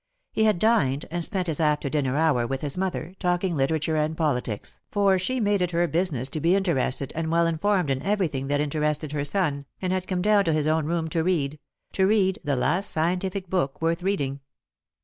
He had dined, and spent his after dinner hour with his mother, talking literature and politics, for she made it her business to be interested and well informed in everything that interested her son, and had come down to his own room to read — to read the last scientific book worth reading.